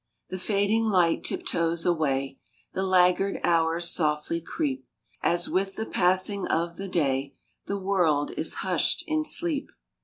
The fading light tiptoes away ; The laggard hours softly creep, As with the passing of the day The world is hushed in sleep.